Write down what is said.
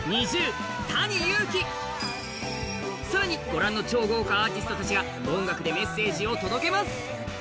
御覧の超豪華アーティストたちが音楽でメッセージを届けます。